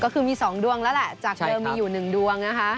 ก็คือมี๒ดวงแล้วแหละจากเดิมมีอยู่๑ดวงนะคะ